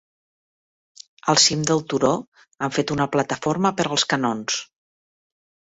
Al cim del turó han fet una plataforma per als canons.